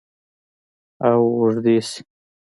او اوږدې شي